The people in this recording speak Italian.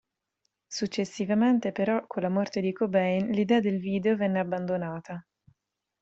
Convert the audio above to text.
Successivamente, però, con la morte di Cobain, l'idea del video venne abbandonata.